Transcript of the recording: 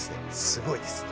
すごいです